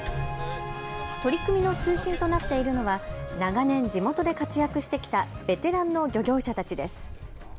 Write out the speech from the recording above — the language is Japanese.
取り組みの中心となっているのは長年、地元で活躍してきたベテランの漁業者たちです。